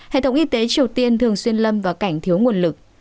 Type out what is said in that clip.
hệ thống y tế triều tiên thường xuyên lâm vào cảnh thiếu nguồn lực